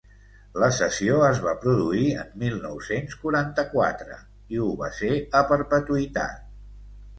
La cessió es va produir en mil nou-cents quaranta-quatre, i ho va ser a perpetuïtat.